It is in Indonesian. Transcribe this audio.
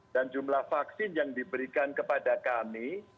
dan jumlah vaksin yang diberikan kepada kami